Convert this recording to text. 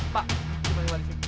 pak simpan siman disini